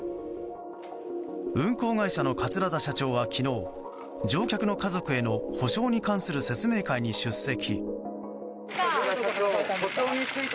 運航会社の桂田社長は昨日乗客の家族への補償に関する説明会に出席。